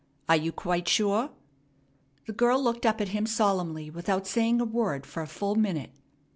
Are you quite sure?" The girl looked up at him solemnly without saying a word for a full minute.